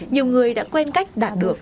nhiều người đã quen cách đạt được